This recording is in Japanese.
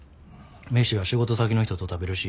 飯は仕事先の人と食べるし。